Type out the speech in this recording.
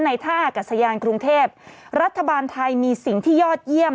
ท่าอากาศยานกรุงเทพรัฐบาลไทยมีสิ่งที่ยอดเยี่ยม